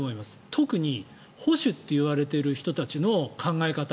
特に保守といわれている人たちの考え方。